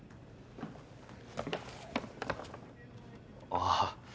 ああ。